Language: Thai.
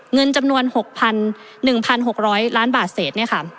เงินจำนวน๖๑๖๐๐ล้านบาทเศษ